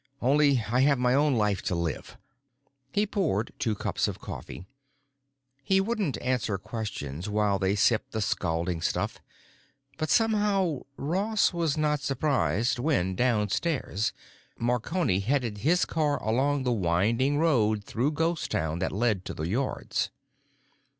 "Only I have my own life to live." He poured two cups of coffee. He wouldn't answer questions while they sipped the scalding stuff. But somehow Ross was not surprised when, downstairs, Marconi headed his car along the winding road through Ghost Town that led to the Yards.